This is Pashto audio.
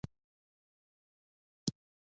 دیني نظمونه دنظم يو ډول دﺉ.